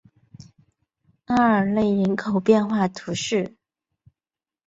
阿尔勒人口变化图示